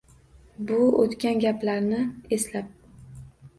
Bu o‘tgan gaplarni eslab.